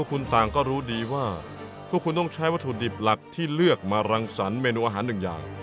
คุณต่างก็รู้ดีว่าพวกคุณต้องใช้วัตถุดิบหลักที่เลือกมารังสรรคเมนูอาหารหนึ่งอย่าง